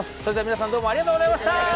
それでは皆さんどうもありがとうございました。